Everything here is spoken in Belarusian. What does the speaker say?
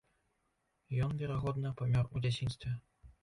Ён верагодна, памёр у дзяцінстве.